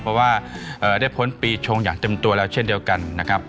เพราะว่าได้พ้นปีชงอย่างเต็มตัวแล้วเช่นเดียวกันนะครับ